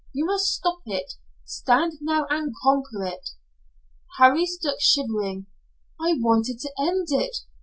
You must stop it. Stand now, and conquer it." Harry stood, shivering. "I wanted to end it.